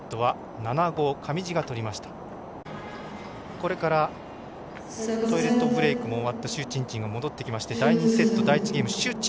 これから、トイレットブレークも終わった朱珍珍が戻ってきまして第２セット第１ゲーム朱珍